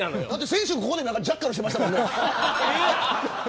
先週ここでジャッカルしてましたからね。